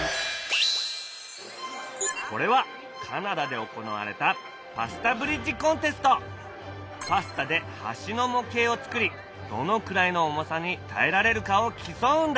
これはカナダで行われたパスタで橋の模型を作りどのくらいの重さに耐えられるかを競うんだ！